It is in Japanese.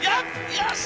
「よし！